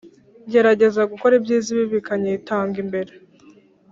ngerageza gukora ibyiza ibibi bikanyitanga imbere